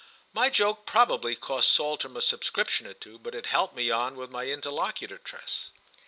My joke probably cost Saltram a subscription or two, but it helped me on with my interlocutress.